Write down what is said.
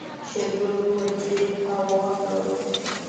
شېرګل وويل درې پاوه وخت لرو.